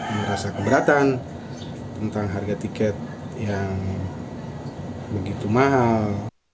merasa keberatan tentang harga tiket yang begitu mahal